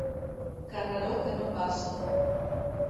Carreró que no passa.